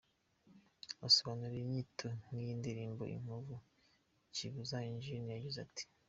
Asobanura inyito y’iyi ndirimbo ‘Inkovu’, Kibuza Engineer yagize ati:.